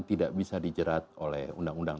tidak bisa dijerat oleh undang undang